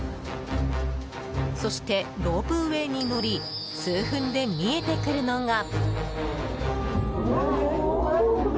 そしてロープウェーに乗り数分で見えてくるのが。